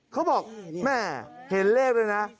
เขาบอกแม่เห็นเลขด้วยนะ